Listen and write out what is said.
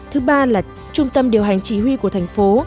thứ ba là trung tâm điều hành chỉ huy của thành phố